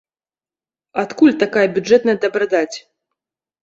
Адкуль такая бюджэтная дабрадаць?